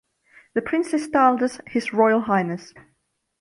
The prince is styled as His Royal Highness.